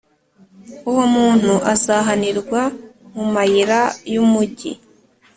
Uwo muntu azahanirwa mu mayira y’umugi,